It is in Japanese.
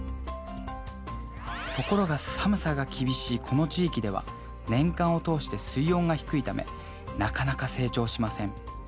ところが寒さが厳しいこの地域では年間を通して水温が低いためなかなか成長しません。